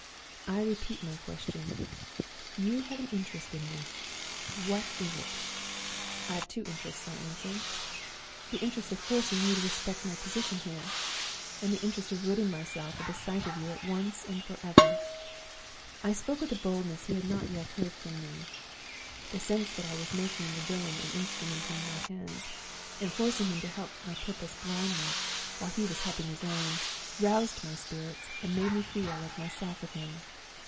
I repeat my question. You have an interest in this what is it?' "'I have two interests,' I answered. 'The interest of forcing you to respect my position here, and the interest of ridding myself of the sight of you at once and forever!' I spoke with a boldness he had not yet heard from me. The sense that I was making the villain an instrument in my hands, and forcing him to help my purpose blindly, while he was helping his own, roused my spirits, and made me feel like myself again.